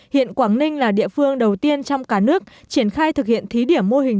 hiện quảng ninh là địa phương đầu tiên trong cả nước triển khai thực hiện thí điểm mô hình